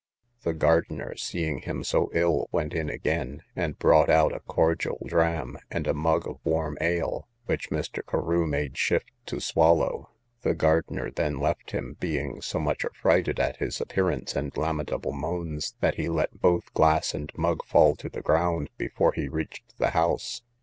The gardener, seeing him so ill, went in again, and brought out a cordial dram, and a mug of warm ale, which Mr. Carew made shift to swallow. The gardener then left him, being so much affrighted at his appearance and lamentable moans, that he let both glass and mug fall to the ground, before he reached the house.